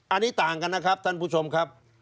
อันนี้ต่างกันนะครับท่านผู้ชมครับ